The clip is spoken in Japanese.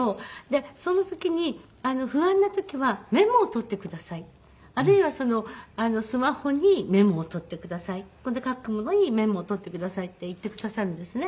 でその時に「不安な時はメモを取ってください」「あるいはスマホにメモを取ってください」「書くものにメモを取ってください」って言ってくださるんですね。